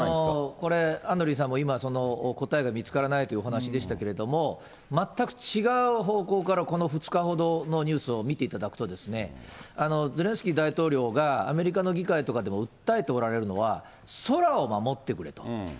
ただ、これ、アンドリーさんも今、答えが見つからないというお話でしたけれども、全く違う方向から、この２日ほどのニュースを見ていただくと、ゼレンスキー大統領が、アメリカの議会とかでも訴えておられるのは、空を守ってくれと。